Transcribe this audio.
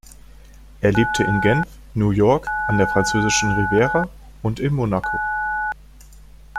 Er lebte in Genf, New York, an der französischen Riviera und in Monaco.